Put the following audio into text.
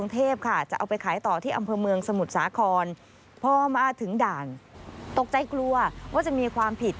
ตกใจกลัวว่าจะมีความผิด